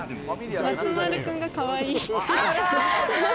松丸君が、かわいい。